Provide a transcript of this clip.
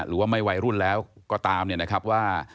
หรือว่าไม่วัยรุ่นแล้วก็ตามเนี่ยนะครับว่า